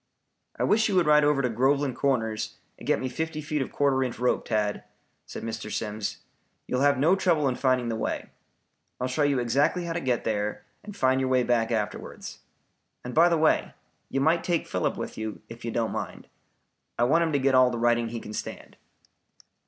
"I wish you would ride over to Groveland Corners and get me fifty feet of quarter inch rope, Tad," said Mr. Simms. "You will have no trouble in finding the way. I'll show you exactly how to get there and find your way back afterwards. And by the way, you might take Philip with you, if you don't mind. I want him to get all the riding he can stand."